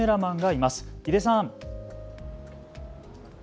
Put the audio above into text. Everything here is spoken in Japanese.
井出さん。